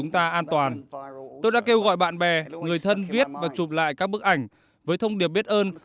tôi đã kêu gọi bạn bè người thân viết và chụp lại các bức ảnh với thông điệp biết ơn